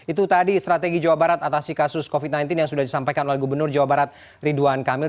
itu tadi strategi jawa barat atasi kasus covid sembilan belas yang sudah disampaikan oleh gubernur jawa barat ridwan kamil